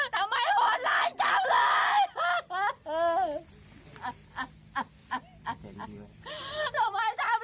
ทำไมทำลูกหนูอย่างนี้แล้ว